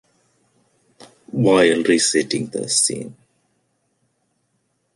While resetting the scene.